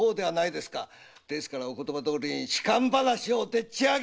ですからお言葉どおりに仕官話をでっち上げ。